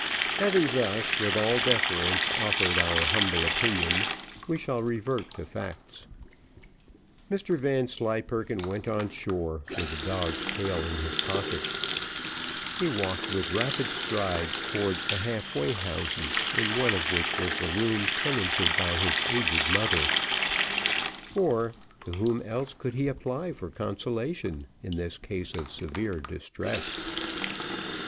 Having thus, with all deference, offered our humble opinion, we shall revert to facts. Mr Vanslyperken went on shore, with the dog's tail in his pocket. He walked with rapid strides towards the half way houses, in one of which was the room tenanted by his aged mother; for, to whom else could he apply for consolation in this case of severe distress?